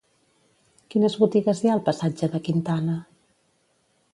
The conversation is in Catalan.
Quines botigues hi ha al passatge de Quintana?